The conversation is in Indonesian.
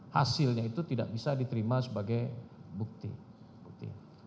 hasilnya itu tidak bisa diterima sebagai bukti